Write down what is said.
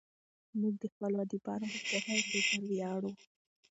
موږ د خپلو ادیبانو په پوهه او فکر ویاړو.